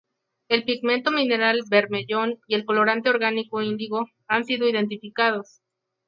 El pigmento mineral bermellón y el colorante orgánico índigo han sido identificados.